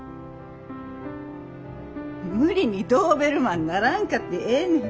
無理にドーベルマンにならんかてええねん。